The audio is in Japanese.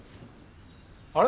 あれ？